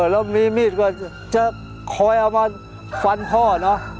แล้วมีมีดก็จะคอยเอามาฟันพ่อเนอะ